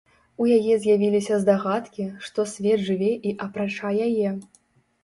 У яе з'явіліся здагадкі, што свет жыве і апрача яе.